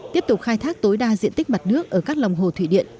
tiếp tục khai thác tối đa diện tích mặt nước ở các lòng hồ thủy điện